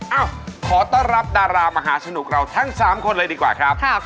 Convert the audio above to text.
เอ้าขอต้อนรับดารามหาสนุกเราทั้ง๓คนเลยดีกว่าครับ